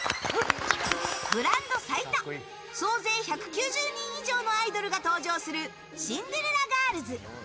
ブランド最多総勢１９０人以上のアイドルが登場する「シンデレラガールズ」。